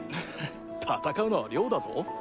戦うのは亮だぞ。